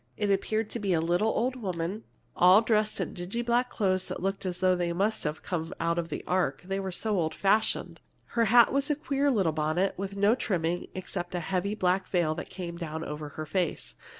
It appeared to be a little old woman all dressed in dingy black clothes that looked as if they must have come out of the ark, they were so old fashioned! Her hat was a queer little bonnet, with no trimming except a heavy black veil that came down over her face.